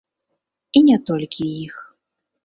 І не толькі іх.